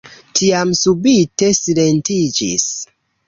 Tiam subite silentiĝis.